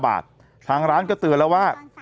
บาททางร้านก็เตือนแล้วว่า